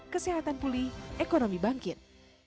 kesehatan pulih ekonomi bangkit